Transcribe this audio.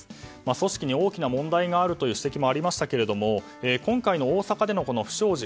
組織に大きな問題があるという指摘もありましたが今回の大阪での不祥事